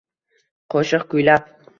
Qoʻshiq kuylab